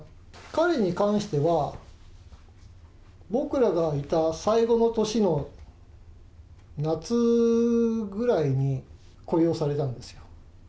彼に関しては、僕らがいた最後の年の夏ぐらいに雇用されたんですよ。